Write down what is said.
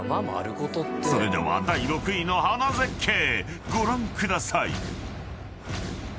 ［それでは第６位の花絶景ご覧ください］